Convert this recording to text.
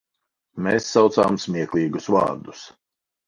Mēs saucām smieklīgus vārdus.